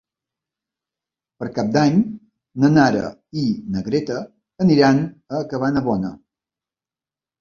Per Cap d'Any na Nara i na Greta aniran a Cabanabona.